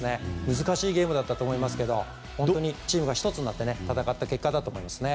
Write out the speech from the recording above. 難しいゲームだったと思いますけどチームが一つになって戦った証しだと思いますね。